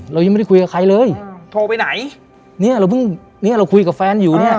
เรายังไม่ได้คุยกับใครเลยโทรไปไหนเนี่ยเราเพิ่งเนี่ยเราคุยกับแฟนอยู่เนี่ย